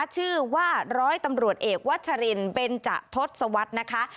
ชื่อว่าร้อยตำรวจเอกวัชรินเบนจะทศวรรษนะคะ